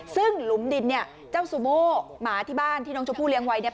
ซึ่งหลุมดินเนี่ยเจ้าซูโม่หมาที่บ้านที่น้องชมพู่เลี้ยไว้เนี่ย